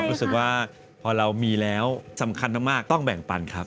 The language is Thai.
รู้สึกว่าพอเรามีแล้วสำคัญมากต้องแบ่งปันครับ